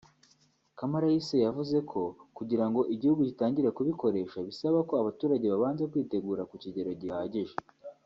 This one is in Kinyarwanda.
Kamayirese yavuze ko kugira ngo igihugu gitangire kubikoresha bisaba ko abaturage babanza kwitegura ku kigero gihagije